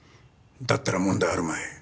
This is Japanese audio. だったら問題あるまい。